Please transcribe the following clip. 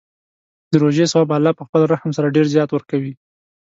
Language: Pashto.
د روژې ثواب الله په خپل رحم سره ډېر زیات ورکوي.